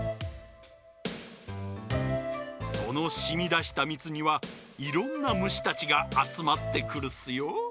そのしみだしたみつにはいろんなむしたちがあつまってくるっすよ。